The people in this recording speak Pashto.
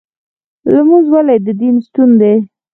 لمونځ ولې د دین ستون دی؟